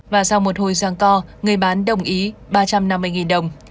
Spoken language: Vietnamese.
và sau một hồi giang co người bán đồng ý ba trăm năm mươi đồng